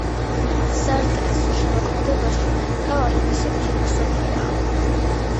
სარტრის შემოქმედებაში მთავარი მისი ფილოსოფიაა.